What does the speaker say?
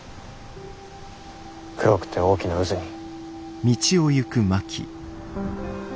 黒くて大きな渦に。